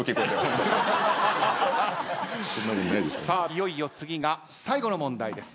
いよいよ次が最後の問題です。